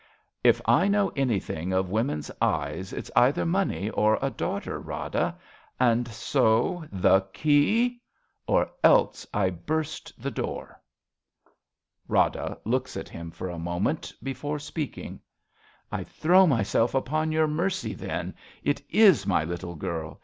If I know anything of women's eyes, It's either money, or a daughter, Rada. And so — the key ! Or else I hurst the door. 35 RADA Rada {looks at him for a Tnoment before speaking). I throw myself upon your mercy, then. It is my little girl.